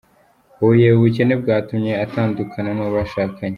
Huye Ubukene bwatumye atandukana n’uwo bashakanye